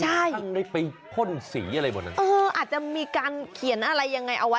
ใช่ได้ไปพ่นสีอะไรบนนั้นเอออาจจะมีการเขียนอะไรยังไงเอาไว้